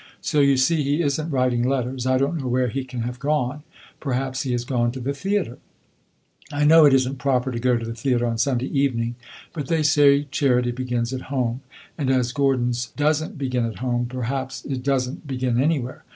So you see he is n't writing letters. I don't know where he can have gone; perhaps he has gone to the theatre. I know it is n't proper to go to the theatre on Sunday evening; but they say charity begins at home, and as Gordon's does n't begin at home, perhaps it does n't begin anywhere.